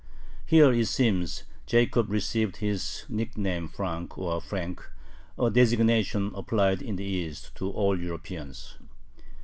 Here, it seems, Jacob received his nickname Frank, or Frenk, a designation applied in the East to all Europeans.